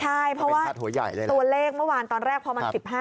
ใช่เพราะว่าตัวเลขเมื่อวานตอนแรกพอมัน๑๕